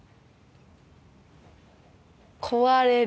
壊れる。